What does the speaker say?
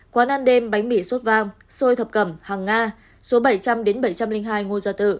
một mươi hai quán ăn đêm bánh mì sốt vang xôi thập cẩm hàng nga số bảy trăm linh đến bảy trăm linh hai ngô gia tự